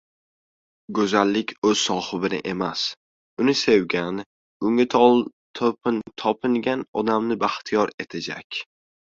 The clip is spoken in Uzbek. • Go‘zallik o‘z sohibini emas, uni sevgan, unga topingan odamni baxtiyor etajak.